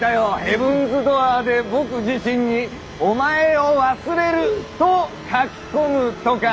ヘブンズ・ドアーで僕自身に「お前を忘れる」と書き込むとか。